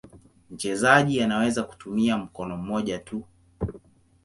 Mchezaji anaweza kutumia mkono mmoja tu.